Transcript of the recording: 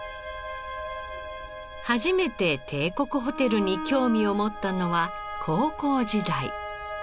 初めて帝国ホテルに興味を持ったのは高校時代。